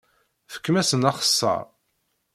Fkem-asen axeṣṣar.